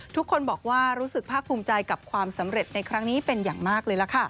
ทุกคนบอกว่ารู้สึกภาคภูมิใจกับความสำเร็จในครั้งนี้เป็นอย่างมากเลยล่ะค่ะ